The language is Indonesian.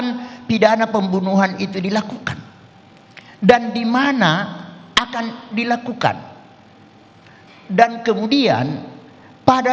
kripto tidak naham dan kripto